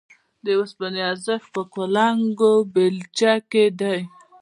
د اوسپنې ارزښت په کلنګ او بېلچه کې دی